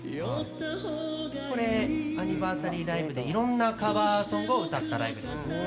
これアニバーサリーライブでいろんなカバーソングを歌ったライブです。